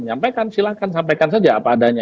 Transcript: menyampaikan silahkan sampaikan saja apa adanya